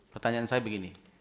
pertanyaan saya begini